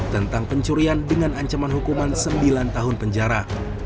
tentang pencurian dengan ancaman hukuman sembilan tahun penjara